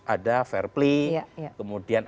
ada fair play kemudian